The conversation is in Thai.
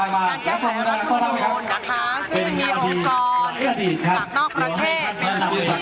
นักแก้ไขรัฐธรรมดุลนะคะซึ่งมีองค์กรจากนอกประเทศ